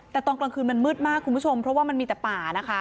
แต่ตอนกลางคืนมันมืดมากคุณผู้ชมเพราะว่ามันมีแต่ป่านะคะ